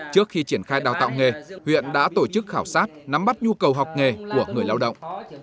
trước khi triển khai đào tạo nghề huyện đã tổ chức khảo sát nắm bắt nhu cầu học nghề của người lao động